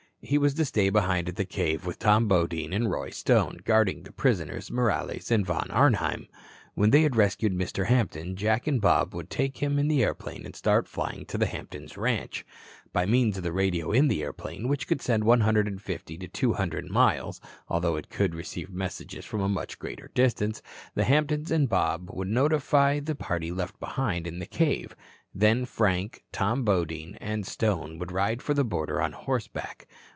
He was to stay behind at the cave with Tom Bodine and Roy Stone, guarding the prisoners, Morales and Von Arnheim. When they had rescued Mr. Hampton, Jack and Bob would take him in the airplane and start flying to the Hampton ranch. By means of the radio in the airplane, which could send 150 to 200 miles, although it could receive messages from a much greater distance, the Hamptons and Bob would notify the party left behind in the cave. Then Frank, Tom Bodine and Stone would ride for the border on horseback.